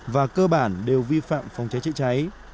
và cơ bản đều vi phạm phòng cháy chữa cháy